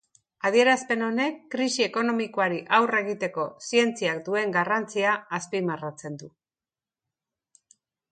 Adierazpen honek krisi ekonomikoari aurre egiteko zientziak duen garrantzia azpimarratzen du.